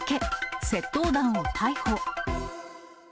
窃盗団を逮捕。